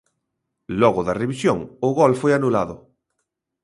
Logo da revisión, o gol foi anulado.